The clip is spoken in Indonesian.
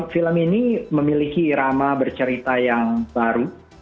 film ini memiliki irama bercerita yang baru